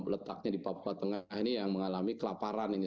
letaknya di papua tengah ini yang mengalami kelaparan ini